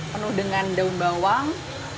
penuh dengan daun bawang